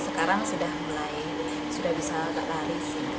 sekarang sudah mulai sudah bisa agak lari sih